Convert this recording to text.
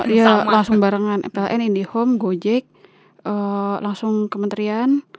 iya langsung barengan pln indihome gojek langsung kementerian